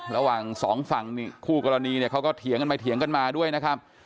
ระหว่างสองฝั่งคู่กรณีเนี่ยเขาก็เถียงกันไปเถียงกันมาด้วยนะครับ